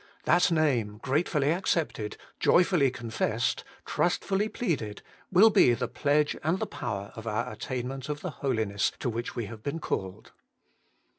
That name, gratefully accepted, joyfully confessed, trustfully pleaded, will be the pledge and the power of our attainment of the Holiness to which we have been called.